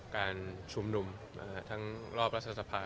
การชุมหนุ่มทั้งรอบราษฎรษภา